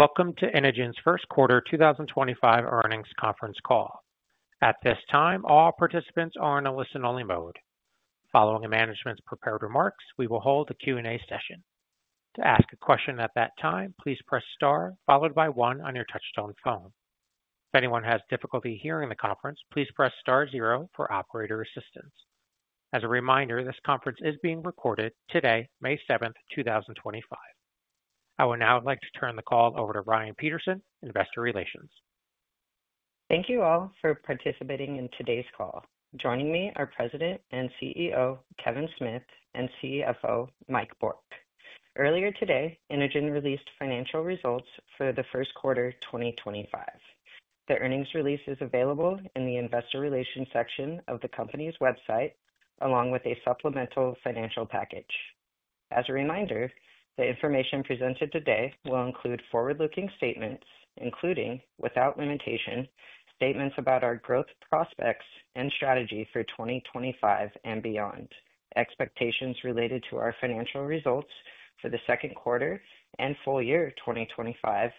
Welcome to Inogen's First Quarter 2025 Earnings Conference Call. At this time, all participants are in a listen-only mode. Following the management's prepared remarks, we will hold a Q&A session. To ask a question at that time, please press star followed by one on your touch-tone phone. If anyone has difficulty hearing the conference, please press star zero for operator assistance. As a reminder, this conference is being recorded today, May 7, 2025. I would now like to turn the call over to Ryan Peterson, Investor Relations. Thank you all for participating in today's call. Joining me are President and CEO Kevin Smith and CFO Mike Bourque. Earlier today, Inogen released financial results for the first quarter 2025. The earnings release is available in the Investor Relations section of the company's website, along with a supplemental financial package. As a reminder, the information presented today will include forward-looking statements, including without limitation statements about our growth prospects and strategy for 2025 and beyond, expectations related to our financial results for the second quarter and full year 2025,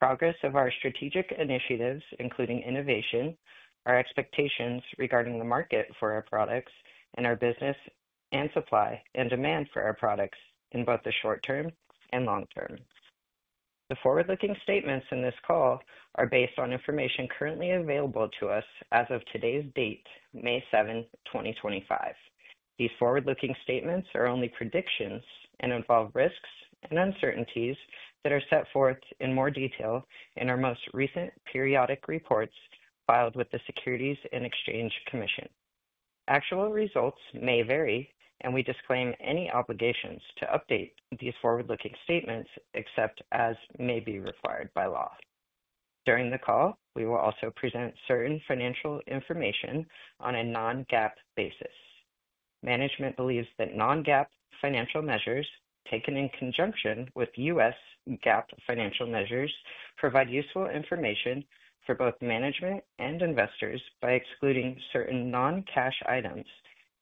progress of our strategic initiatives, including innovation, our expectations regarding the market for our products, and our business and supply and demand for our products in both the short term and long term. The forward-looking statements in this call are based on information currently available to us as of today's date, May 7th, 2025. These forward-looking statements are only predictions and involve risks and uncertainties that are set forth in more detail in our most recent periodic reports filed with the Securities and Exchange Commission. Actual results may vary, and we disclaim any obligations to update these forward-looking statements except as may be required by law. During the call, we will also present certain financial information on a non-GAAP basis. Management believes that non-GAAP financial measures taken in conjunction with U.S. GAAP financial measures provide useful information for both management and investors by excluding certain non-cash items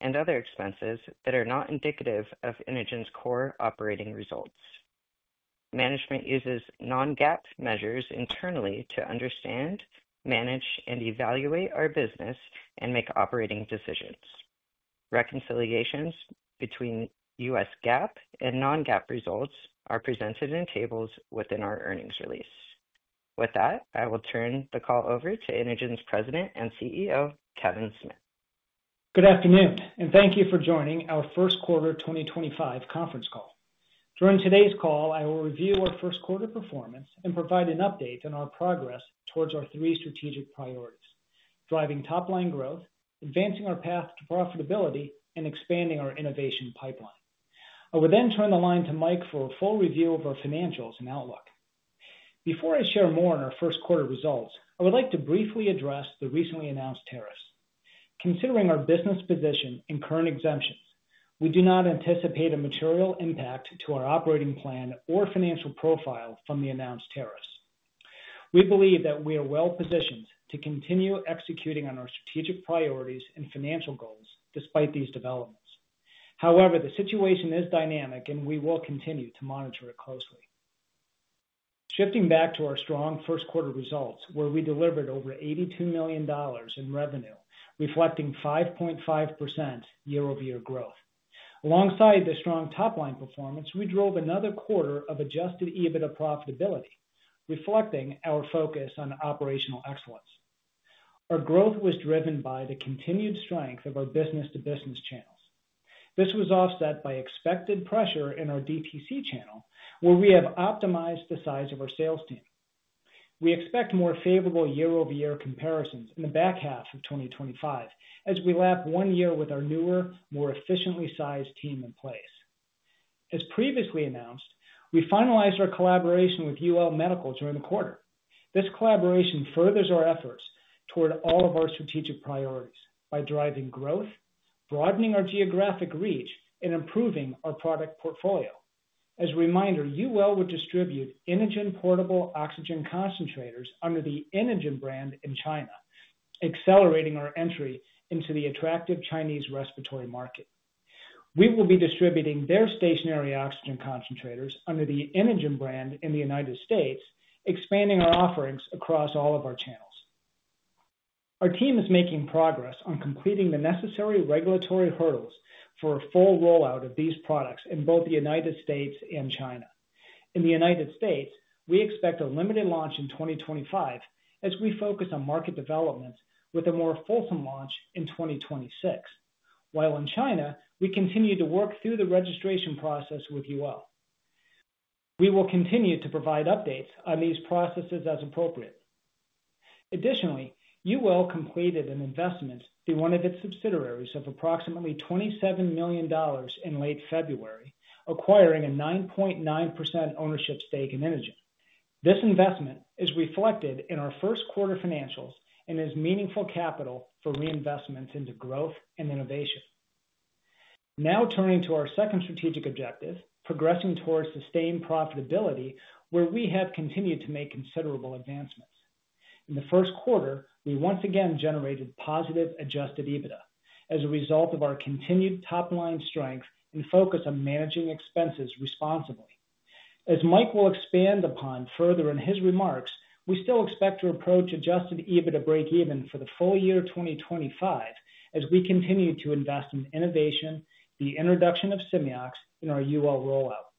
and other expenses that are not indicative of Inogen's core operating results. Management uses non-GAAP measures internally to understand, manage, and evaluate our business and make operating decisions. Reconciliations between U.S. GAAP and non-GAAP results are presented in tables within our earnings release. With that, I will turn the call over to Inogen's President and CEO, Kevin Smith. Good afternoon, and thank you for joining our First Quarter 2025 Conference Call. During today's call, I will review our first quarter performance and provide an update on our progress towards our three strategic priorities: driving top-line growth, advancing our path to profitability, and expanding our innovation pipeline. I will then turn the line to Mike for a full review of our financials and outlook. Before I share more on our first quarter results, I would like to briefly address the recently announced tariffs. Considering our business position and current exemptions, we do not anticipate a material impact to our operating plan or financial profile from the announced tariffs. We believe that we are well positioned to continue executing on our strategic priorities and financial goals despite these developments. However, the situation is dynamic, and we will continue to monitor it closely. Shifting back to our strong first quarter results, where we delivered over $82 million in revenue, reflecting 5.5% year-over-year growth. Alongside the strong top-line performance, we drove another quarter of adjusted EBITDA profitability, reflecting our focus on operational excellence. Our growth was driven by the continued strength of our business-to-business channels. This was offset by expected pressure in our DTC channel, where we have optimized the size of our sales team. We expect more favorable year-over-year comparisons in the back half of 2025 as we lap one year with our newer, more efficiently sized team in place. As previously announced, we finalized our collaboration with UL Medical during the quarter. This collaboration furthers our efforts toward all of our strategic priorities by driving growth, broadening our geographic reach, and improving our product portfolio. As a reminder, UL would distribute Inogen Portable Oxygen Concentrators under the Inogen brand in China, accelerating our entry into the attractive Chinese respiratory market. We will be distributing their stationary oxygen concentrators under the Inogen brand in the United States, expanding our offerings across all of our channels. Our team is making progress on completing the necessary regulatory hurdles for a full rollout of these products in both the United States and China. In the United States, we expect a limited launch in 2025 as we focus on market developments with a more fulsome launch in 2026, while in China, we continue to work through the registration process with UL. We will continue to provide updates on these processes as appropriate. Additionally, UL completed an investment through one of its subsidiaries of approximately $27 million in late February, acquiring a 9.9% ownership stake in Inogen. This investment is reflected in our first quarter financials and is meaningful capital for reinvestments into growth and innovation. Now turning to our second strategic objective, progressing towards sustained profitability, where we have continued to make considerable advancements. In the first quarter, we once again generated positive adjusted EBITDA as a result of our continued top-line strength and focus on managing expenses responsibly. As Mike will expand upon further in his remarks, we still expect to approach adjusted EBITDA break-even for the full year 2025 as we continue to invest in innovation and the introduction of Simeox in our UL rollout.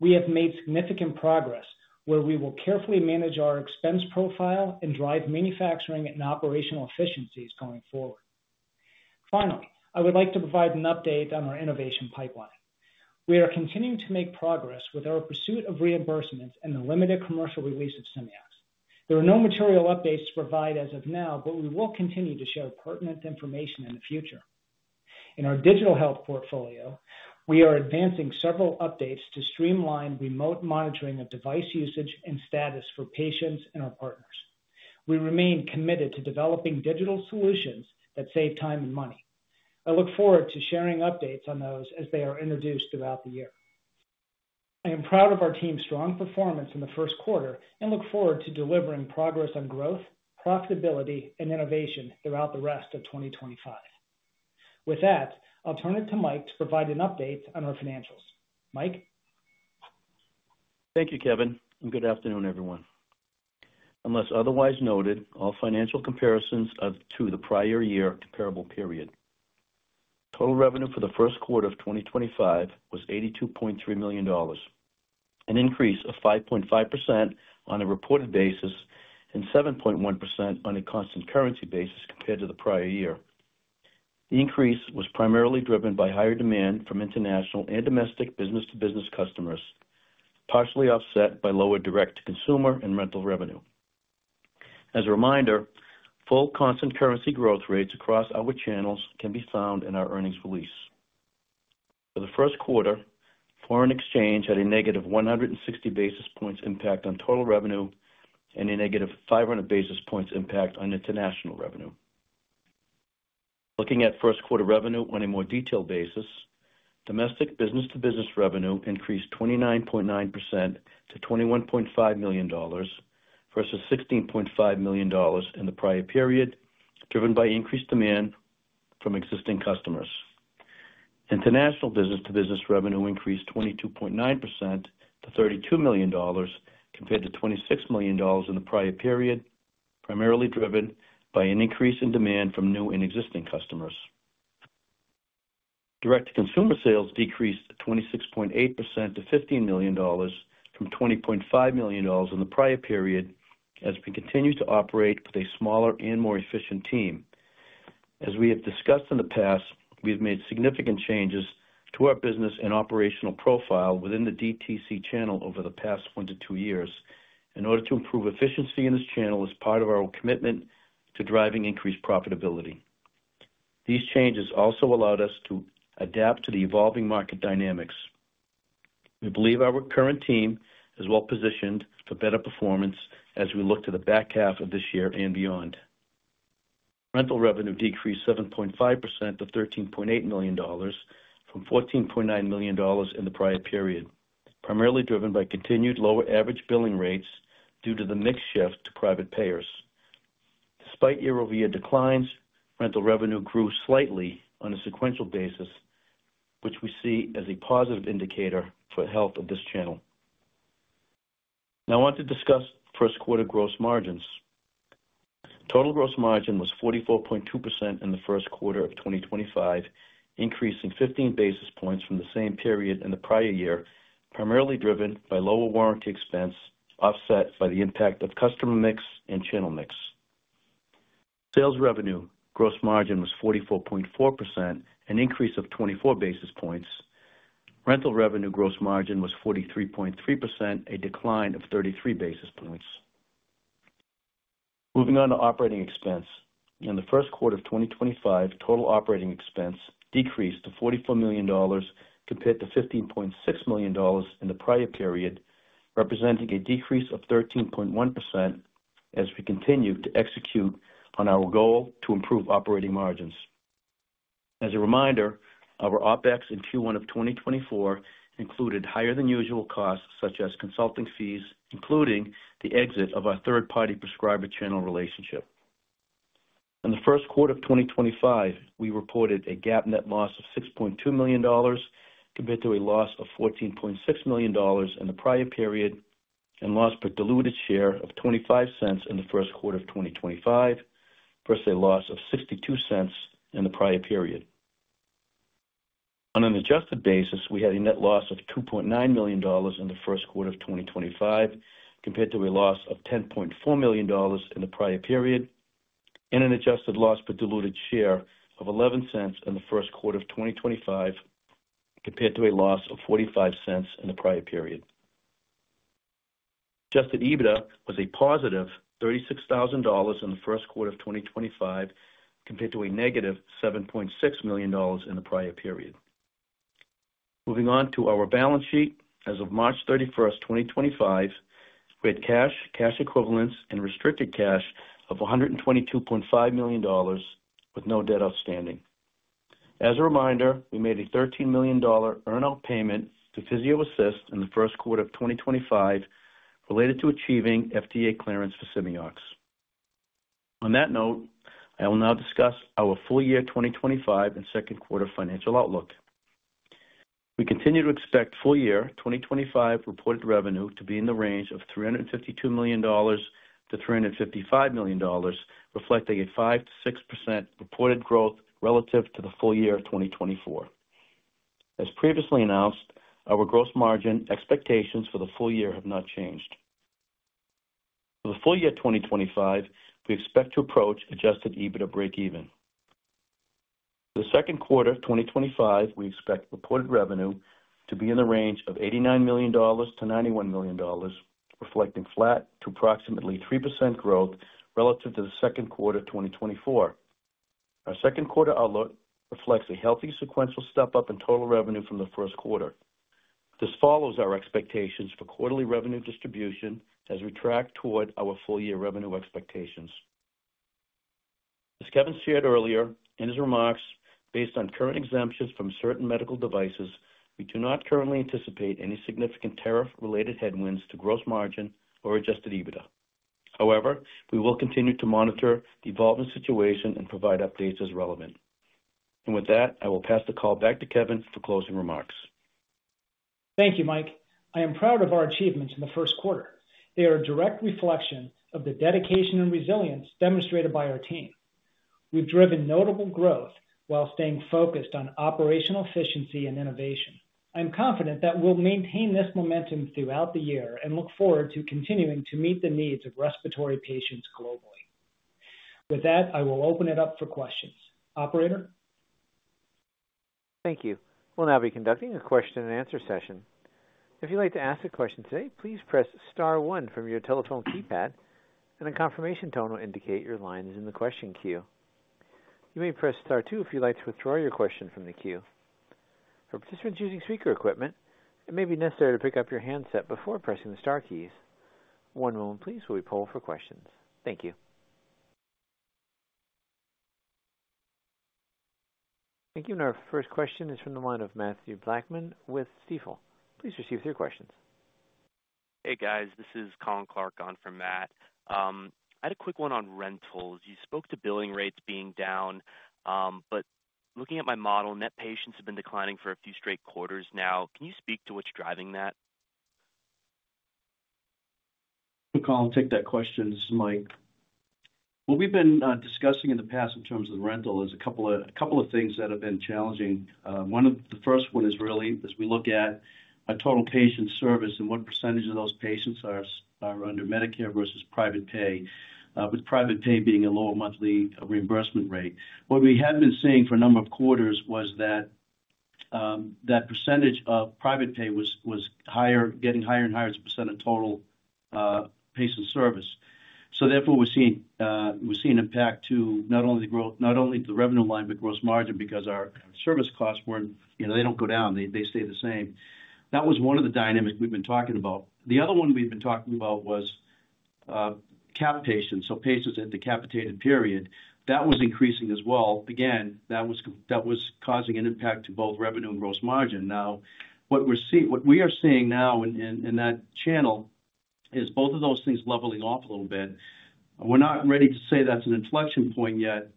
We have made significant progress, where we will carefully manage our expense profile and drive manufacturing and operational efficiencies going forward. Finally, I would like to provide an update on our innovation pipeline. We are continuing to make progress with our pursuit of reimbursements and the limited commercial release of Simeox. There are no material updates to provide as of now, but we will continue to share pertinent information in the future. In our digital health portfolio, we are advancing several updates to streamline remote monitoring of device usage and status for patients and our partners. We remain committed to developing digital solutions that save time and money. I look forward to sharing updates on those as they are introduced throughout the year. I am proud of our team's strong performance in the first quarter and look forward to delivering progress on growth, profitability, and innovation throughout the rest of 2025. With that, I'll turn it to Mike to provide an update on our financials. Mike. Thank you, Kevin, and good afternoon, everyone. Unless otherwise noted, all financial comparisons are to the prior year comparable period. Total revenue for the first quarter of 2025 was $82.3 million, an increase of 5.5% on a reported basis and 7.1% on a constant currency basis compared to the prior year. The increase was primarily driven by higher demand from international and domestic business-to-business customers, partially offset by lower direct-to-consumer and rental revenue. As a reminder, full constant currency growth rates across our channels can be found in our earnings release. For the first quarter, foreign exchange had a negative 160 basis points impact on total revenue and a negative 500 basis points impact on international revenue. Looking at first quarter revenue on a more detailed basis, domestic business-to-business revenue increased 29.9% to $21.5 million versus $16.5 million in the prior period, driven by increased demand from existing customers. International business-to-business revenue increased 22.9% to $32 million compared to $26 million in the prior period, primarily driven by an increase in demand from new and existing customers. Direct-to-consumer sales decreased 26.8% to $15 million from $20.5 million in the prior period as we continue to operate with a smaller and more efficient team. As we have discussed in the past, we have made significant changes to our business and operational profile within the DTC channel over the past one to two years in order to improve efficiency in this channel as part of our commitment to driving increased profitability. These changes also allowed us to adapt to the evolving market dynamics. We believe our current team is well positioned for better performance as we look to the back half of this year and beyond. Rental revenue decreased 7.5% to $13.8 million from $14.9 million in the prior period, primarily driven by continued lower average billing rates due to the mix shift to private payers. Despite year-over-year declines, rental revenue grew slightly on a sequential basis, which we see as a positive indicator for the health of this channel. Now, I want to discuss first quarter gross margins. Total gross margin was 44.2% in the first quarter of 2025, increasing 15 basis points from the same period in the prior year, primarily driven by lower warranty expense offset by the impact of customer mix and channel mix. Sales revenue gross margin was 44.4%, an increase of 24 basis points. Rental revenue gross margin was 43.3%, a decline of 33 basis points. Moving on to operating expense. In the first quarter of 2025, total operating expense decreased to $44 million compared to $15.6 million in the prior period, representing a decrease of 13.1% as we continue to execute on our goal to improve operating margins. As a reminder, our OpEx in Q1 of 2024 included higher-than-usual costs such as consulting fees, including the exit of our third-party prescriber channel relationship. In the first quarter of 2025, we reported a GAAP net loss of $6.2 million compared to a loss of $14.6 million in the prior period and loss per diluted share of $0.25 in the first quarter of 2025, versus a loss of $0.62 in the prior period. On an adjusted basis, we had a net loss of $2.9 million in the first quarter of 2025 compared to a loss of $10.4 million in the prior period, and an adjusted loss per diluted share of $0.11 in the first quarter of 2025 compared to a loss of $0.45 in the prior period. Adjusted EBITDA was a positive $36,000 in the first quarter of 2025 compared to a negative $7.6 million in the prior period. Moving on to our balance sheet, as of March 31, 2025, we had cash, cash equivalents, and restricted cash of $122.5 million with no debt outstanding. As a reminder, we made a $13 million earn-out payment to PhysioAssist in the first quarter of 2025 related to achieving FDA clearance for Simeox. On that note, I will now discuss our full year 2025 and second quarter financial outlook. We continue to expect full year 2025 reported revenue to be in the range of $352 million-$355 million, reflecting 5%-6% reported growth relative to the full year 2024. As previously announced, our gross margin expectations for the full year have not changed. For the full year 2025, we expect to approach adjusted EBITDA break-even. For the second quarter of 2025, we expect reported revenue to be in the range of $89 million-$91 million, reflecting flat to approximately 3% growth relative to the second quarter of 2024. Our second quarter outlook reflects a healthy sequential step-up in total revenue from the first quarter. This follows our expectations for quarterly revenue distribution as we track toward our full year revenue expectations. As Kevin shared earlier in his remarks, based on current exemptions from certain medical devices, we do not currently anticipate any significant tariff-related headwinds to gross margin or adjusted EBITDA. However, we will continue to monitor the evolving situation and provide updates as relevant. I will pass the call back to Kevin for closing remarks. Thank you, Mike. I am proud of our achievements in the first quarter. They are a direct reflection of the dedication and resilience demonstrated by our team. We've driven notable growth while staying focused on operational efficiency and innovation. I'm confident that we'll maintain this momentum throughout the year and look forward to continuing to meet the needs of respiratory patients globally. With that, I will open it up for questions. Operator. Thank you. We'll now be conducting a question-and-answer session. If you'd like to ask a question today, please press Star 1 from your telephone keypad, and a confirmation tone will indicate your line is in the question queue. You may press Star 2 if you'd like to withdraw your question from the queue. For participants using speaker equipment, it may be necessary to pick up your handset before pressing the Star keys. One moment, please, while we poll for questions. Thank you. Thank you. Our first question is from the line of Matthew Blackman with Stifel. Please proceed with your questions. Hey, guys. This is Colin Clark on for Matt. I had a quick one on rentals. You spoke to billing rates being down, but looking at my model, net patients have been declining for a few straight quarters now. Can you speak to what's driving that? I'll take that question, this is Mike. What we've been discussing in the past in terms of rental is a couple of things that have been challenging. One of the first ones is really as we look at our total patient service and what percentage of those patients are under Medicare versus private pay, with private pay being a lower monthly reimbursement rate. What we have been seeing for a number of quarters was that percentage of private pay was higher, getting higher and higher as a percent of total patient service. Therefore, we're seeing impact to not only the revenue line, but gross margin because our service costs, you know, they don't go down. They stay the same. That was one of the dynamics we've been talking about. The other one we've been talking about was cap patients, so patients at the capitated period. That was increasing as well. Again, that was causing an impact to both revenue and gross margin. Now, what we are seeing in that channel is both of those things leveling off a little bit. We're not ready to say that's an inflection point yet,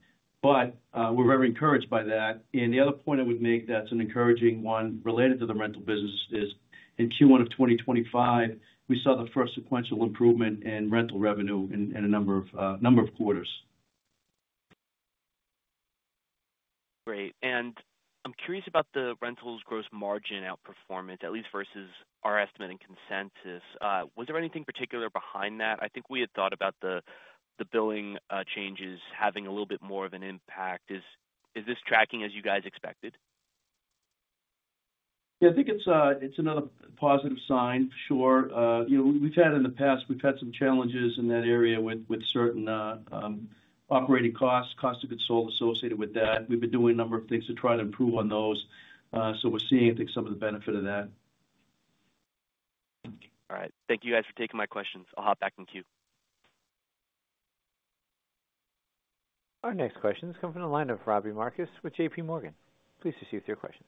but we're very encouraged by that. The other point I would make that's an encouraging one related to the rental business is in Q1 of 2025, we saw the first sequential improvement in rental revenue in a number of quarters. Great. I'm curious about the rentals gross margin outperformance, at least versus our estimate and consensus. Was there anything particular behind that? I think we had thought about the billing changes having a little bit more of an impact. Is this tracking as you guys expected? Yeah, I think it's, it's another positive sign for sure. You know, we've had in the past, we've had some challenges in that area with certain operating costs, cost of goods sold associated with that. We've been doing a number of things to try to improve on those. So we're seeing, I think, some of the benefit of that. All right. Thank you guys for taking my questions. I'll hop back in queue. Our next question has come from the line of Robbie Marcus with JPMorgan. Please proceed with your questions.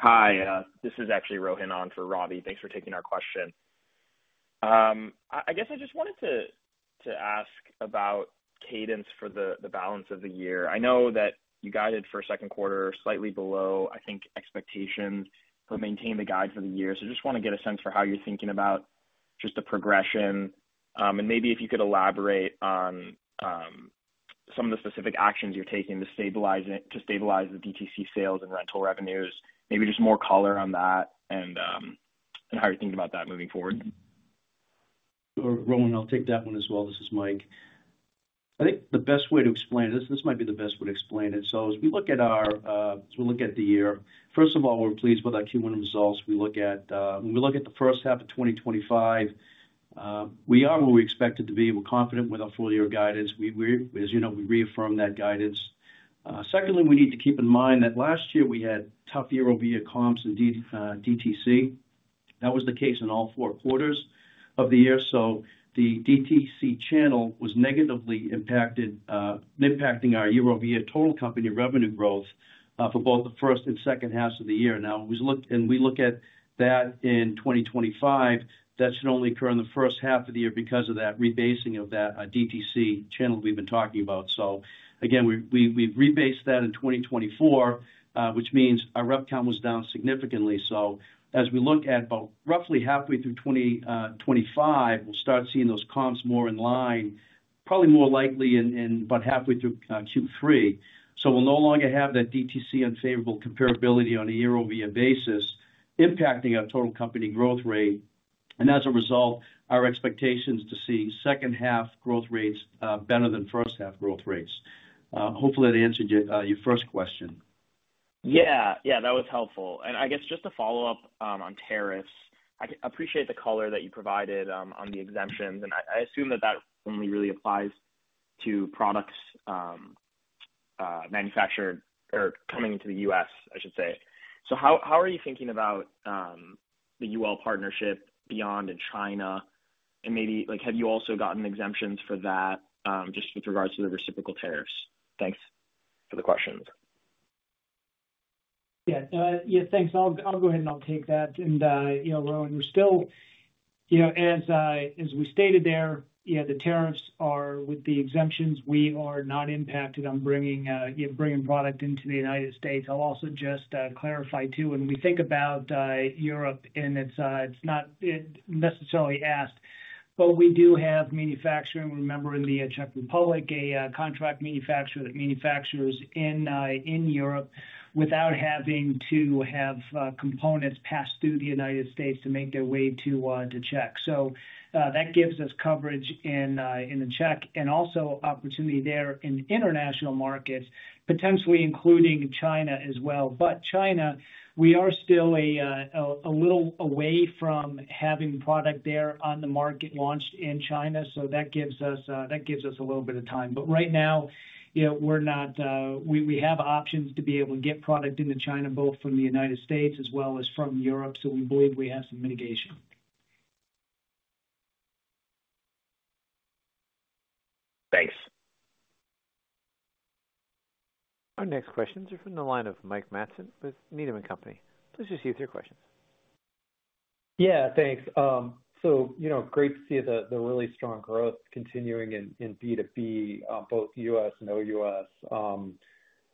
Hi, this is actually Rohan on for Robbie. Thanks for taking our question. I guess I just wanted to ask about cadence for the balance of the year. I know that you guided for a second quarter slightly below, I think, expectations but maintained the guide for the year. Just want to get a sense for how you're thinking about just the progression, and maybe if you could elaborate on some of the specific actions you're taking to stabilize the DTC sales and rental revenues, maybe just more color on that and how you're thinking about that moving forward. Rohan, I'll take that one as well. This is Mike. I think the best way to explain it, this might be the best way to explain it. As we look at our, as we look at the year, first of all, we're pleased with our Q1 results. We look at, when we look at the first half of 2025, we are where we expected to be. We're confident with our full year guidance. We, as you know, we reaffirm that guidance. Secondly, we need to keep in mind that last year we had tough year-over-year comps in DTC. That was the case in all four quarters of the year. The DTC channel was negatively impacted, impacting our year-over-year total company revenue growth, for both the first and second halves of the year. Now, we look, and we look at that in 2025, that should only occur in the first half of the year because of that rebasing of that DTC channel we've been talking about. Again, we've rebased that in 2024, which means our rep count was down significantly. As we look at about roughly halfway through 2025, we'll start seeing those comps more in line, probably more likely in about halfway through Q3. We'll no longer have that DTC unfavorable comparability on a year-over-year basis impacting our total company growth rate. As a result, our expectation is to see second half growth rates better than first half growth rates. Hopefully that answered your first question. Yeah, yeah, that was helpful. I guess just to follow up, on tariffs, I appreciate the color that you provided, on the exemptions. I assume that that only really applies to products manufactured or coming into the U.S., I should say. How are you thinking about the UL partnership beyond in China? Maybe, like, have you also gotten exemptions for that, just with regards to the reciprocal tariffs? Thanks for the questions. Yeah, no, yeah, thanks. I'll go ahead and I'll take that. You know, Rohan, we're still, you know, as we stated there, the tariffs are, with the exemptions, we are not impacted on bringing, you know, bringing product into the United States. I'll also just clarify too, when we think about Europe, and it's not necessarily asked, but we do have manufacturing. Remember in the Czech Republic, a contract manufacturer that manufactures in Europe without having to have components pass through the United States to make their way to Czech. That gives us coverage in the Czech and also opportunity there in international markets, potentially including China as well. China, we are still a little away from having product there on the market launched in China. That gives us a little bit of time. Right now, you know, we're not, we have options to be able to get product into China both from the United States as well as from Europe. So we believe we have some mitigation. Thanks. Our next questions are from the line of Mike Matson with Needham & Company. Please proceed with your questions. Yeah, thanks. You know, great to see the really strong growth continuing in B2B, both U.S. and OUS.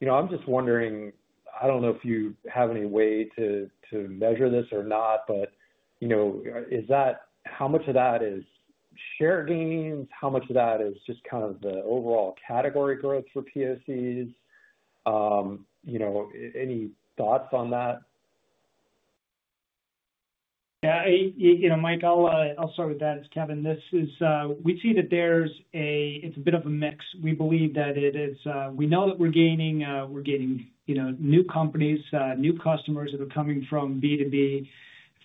You know, I'm just wondering, I don't know if you have any way to measure this or not, but, you know, is that how much of that is share gains? How much of that is just kind of the overall category growth for POCs? You know, any thoughts on that? Yeah, you know, Mike, I'll start with that. It's Kevin. We see that there's a bit of a mix. We believe that it is, we know that we're gaining, you know, new companies, new customers that are coming from B2B,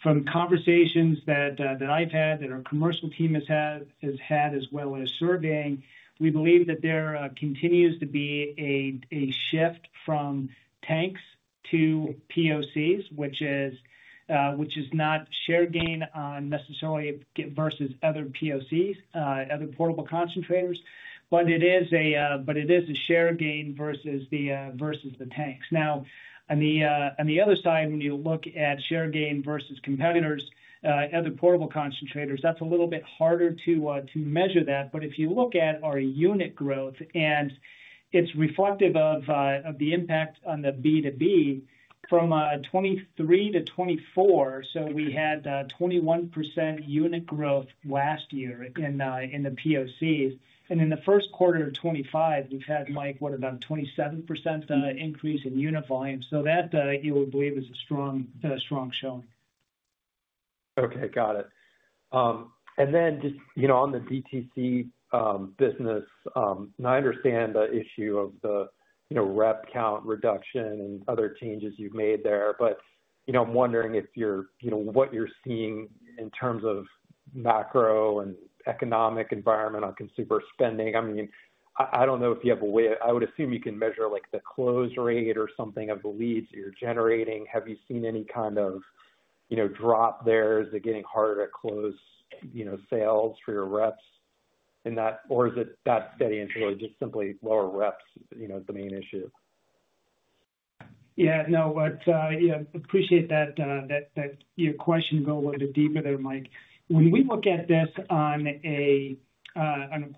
from conversations that I've had, that our commercial team has had as well as surveying. We believe that there continues to be a shift from tanks to POCs, which is not share gain necessarily versus other POCs, other portable concentrators. It is a share gain versus the tanks. Now, on the other side, when you look at share gain versus competitors, other portable concentrators, that's a little bit harder to measure. If you look at our unit growth, and it's reflective of the impact on the B2B from 2023 to 2024. We had 21% unit growth last year in the POCs. In the first quarter of 2025, we've had, Mike, what, about a 27% increase in unit volume. That, you would believe, is a strong, strong showing. Okay, got it. And then just, you know, on the DTC business, and I understand the issue of the, you know, rep count reduction and other changes you've made there. But, you know, I'm wondering if you're, you know, what you're seeing in terms of macro and economic environment on consumer spending. I mean, I don't know if you have a way, I would assume you can measure like the close rate or something of the leads that you're generating. Have you seen any kind of, you know, drop there? Is it getting harder to close, you know, sales for your reps in that? Or is it that steady and really just simply lower reps, you know, is the main issue? Yeah, no, appreciate that your question go a little bit deeper there, Mike. When we look at this on a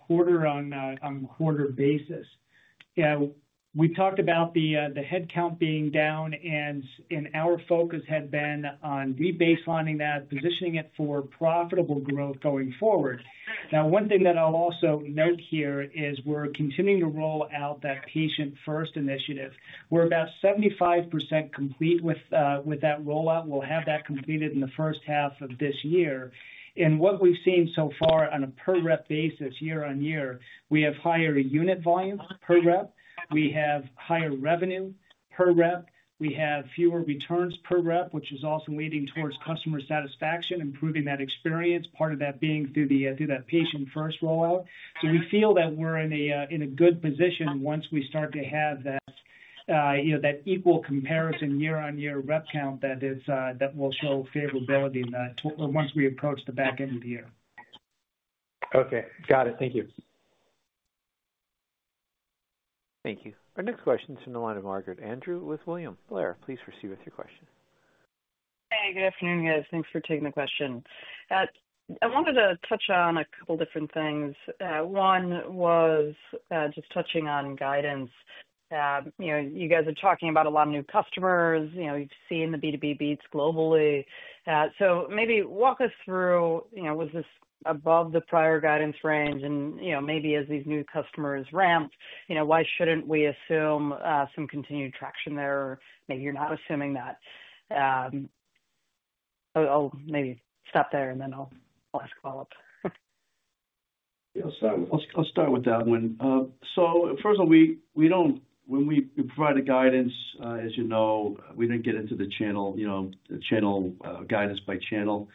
quarter on quarter basis, we talked about the headcount being down, and our focus had been on rebaselining that, positioning it for profitable growth going forward. One thing that I'll also note here is we're continuing to roll out that patient-first initiative. We're about 75% complete with that rollout. We'll have that completed in the first half of this year. What we've seen so far on a per rep basis year on year, we have higher unit volume per rep. We have higher revenue per rep. We have fewer returns per rep, which is also leading towards customer satisfaction, improving that experience, part of that being through that patient-first rollout. We feel that we're in a, in a good position once we start to have that, you know, that equal comparison year on year rep count that is, that will show favorability in that once we approach the back end of the year. Okay, got it. Thank you. Thank you. Our next question is from the line of Margaret Andrew with William Blair. Please proceed with your question. Hey, good afternoon, guys. Thanks for taking the question. I wanted to touch on a couple different things. One was, just touching on guidance. You know, you guys are talking about a lot of new customers. You know, you've seen the B2B beats globally. So maybe walk us through, you know, was this above the prior guidance range? And, you know, maybe as these new customers ramp, you know, why shouldn't we assume some continued traction there? Or maybe you're not assuming that. I'll maybe stop there and then I'll ask follow-up. Yeah, I'll start with that one. First of all, we don't, when we provide guidance, as you know, we didn't get into the channel, you know, the channel, guidance by channel.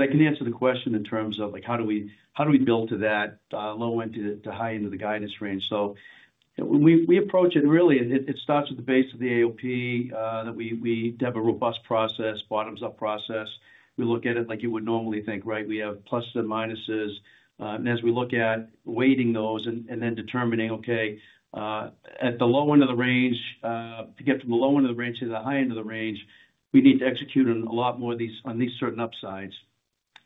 I can answer the question in terms of like, how do we build to that low end to the high end of the guidance range? We approach it really, it starts at the base of the AOP, that we have a robust process, bottoms-up process. We look at it like you would normally think, right? We have pluses and minuses. As we look at weighting those and then determining, okay, at the low end of the range, to get from the low end of the range to the high end of the range, we need to execute on a lot more of these certain upsides.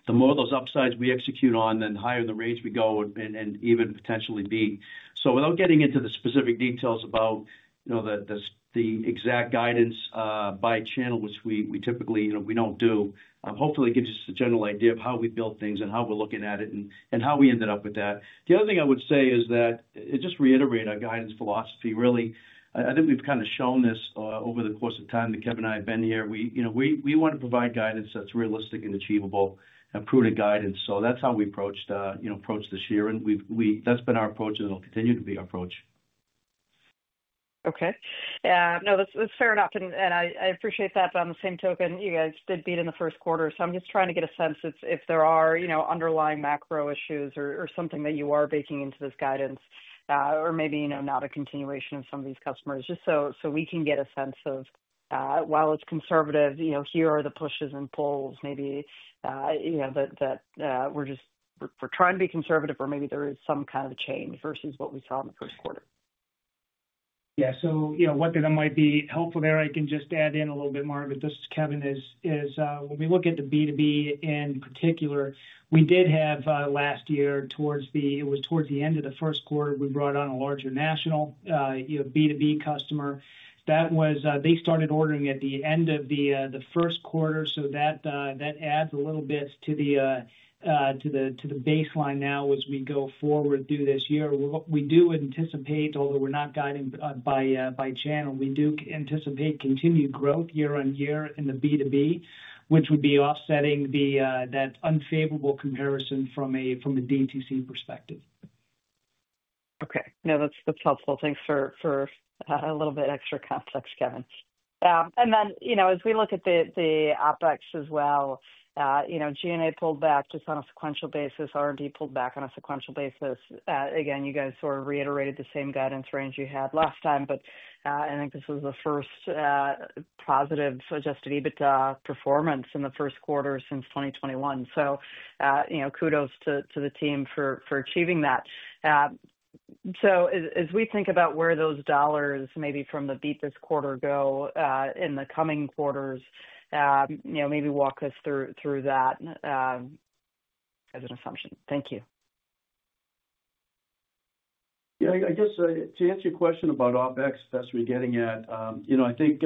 The more of those upsides we execute on, the higher in the range we go and even potentially beat. Without getting into the specific details about, you know, the exact guidance by channel, which we typically, you know, we do not do, hopefully it gives you just a general idea of how we build things and how we are looking at it and how we ended up with that. The other thing I would say is that it just reiterates our guidance philosophy. Really, I think we've kind of shown this over the course of time that Kevin and I have been here. We want to provide guidance that's realistic and achievable and prudent guidance. That's how we approached this year. That's been our approach and it'll continue to be our approach. Okay. Yeah, no, that's fair enough. I appreciate that. On the same token, you guys did beat in the first quarter. I'm just trying to get a sense if there are underlying macro issues or something that you are baking into this guidance, or maybe not a continuation of some of these customers, just so we can get a sense of, while it's conservative, here are the pushes and pulls, maybe that we're just trying to be conservative or maybe there is some kind of change versus what we saw in the first quarter. Yeah. You know, one thing that might be helpful there, I can just add in a little bit more of it. This is Kevin. When we look at the B2B in particular, we did have, last year towards the end of the first quarter, we brought on a larger national, you know, B2B customer. They started ordering at the end of the first quarter. That adds a little bit to the baseline now as we go forward through this year. We do anticipate, although we're not guiding by channel, we do anticipate continued growth year on year in the B2B, which would be offsetting that unfavorable comparison from a DTC perspective. Okay. No, that's helpful. Thanks for a little bit extra context, Kevin. And then, you know, as we look at the OpEx as well, you know, G&A pulled back just on a sequential basis. R&D pulled back on a sequential basis. Again, you guys sort of reiterated the same guidance range you had last time. But I think this was the first positive adjusted EBITDA performance in the first quarter since 2021. So, you know, kudos to the team for achieving that. As we think about where those dollars maybe from the beat this quarter go in the coming quarters, you know, maybe walk us through that as an assumption. Thank you. Yeah, I guess, to answer your question about OpEx, if that's what we're getting at, you know, I think,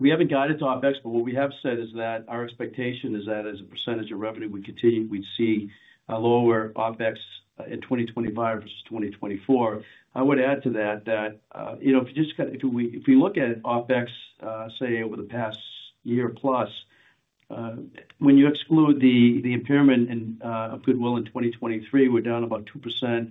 we haven't guided to OpEx, but what we have said is that our expectation is that as a percentage of revenue, we continue, we'd see a lower OpEx in 2025 versus 2024. I would add to that that, you know, if you just kind of, if we look at OpEx, say over the past year plus, when you exclude the impairment of Goodwill in 2023, we're down about 2%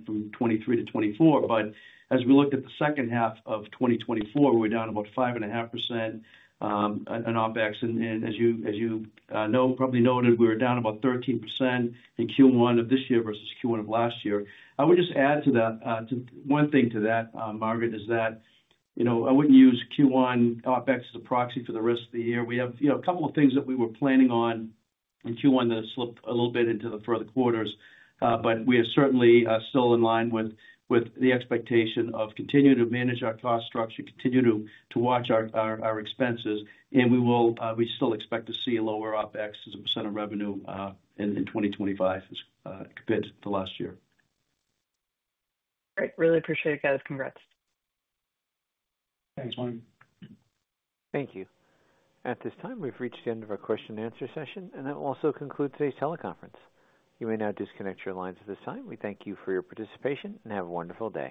from 2023 to 2024. As we looked at the second half of 2024, we were down about 5.5% on OpEx. And, as you, as you, know, probably noted, we were down about 13% in Q1 of this year versus Q1 of last year. I would just add to that, to one thing to that, Margaret, is that, you know, I would not use Q1 OpEx as a proxy for the rest of the year. We have, you know, a couple of things that we were planning on in Q1 that have slipped a little bit into the further quarters. We are certainly still in line with the expectation of continuing to manage our cost structure, continue to watch our expenses. We still expect to see a lower OpEx as a percent of revenue in 2025, compared to the last year. Great. Really appreciate it, guys. Congrats. Thanks, Martin. Thank you. At this time, we've reached the end of our Q&A session, and that will also conclude today's teleconference. You may now disconnect your lines at this time. We thank you for your participation and have a wonderful day.